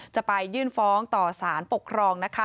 จะไปยื่นฟ้องต่อศานปกครอง